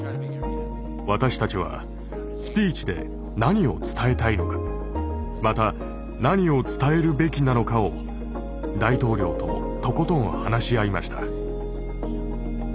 私たちはスピーチで何を伝えたいのかまた何を伝えるべきなのかを大統領ととことん話し合いました。